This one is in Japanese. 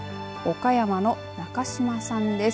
岡山の中島さんです。